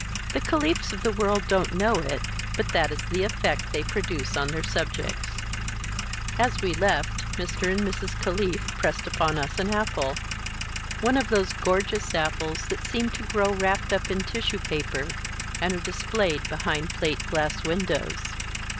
The Caliphs of the world don't know it, but that is the effect they produce on their subjects. As we left, Mr. and Mrs. Caliph pressed upon us an apple. One of those gorgeous apples that seem to grow wrapped up in tissue paper, and are displayed behind plate glass windows.